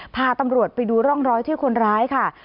พาตำรวจไปดูร่องรอยที่คนร้ายค่ะ